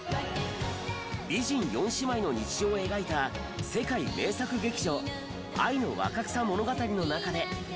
美人４姉妹の日常を描いた世界名作劇場『愛の若草物語』の中で。